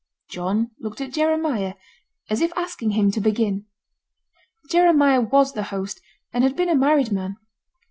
John looked at Jeremiah, as if asking him to begin. Jeremiah was the host, and had been a married man.